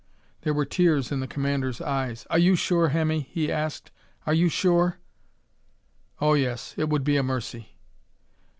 There were tears in the commander's eyes. "Are you sure, Hemmy?" he asked. "Are you sure?" "Oh, yes. It would be a mercy."